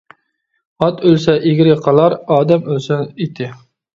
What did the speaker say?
ئات ئۆلسە، ئېگىرى قالار، ئادەم ئۆلسە، ئېتى.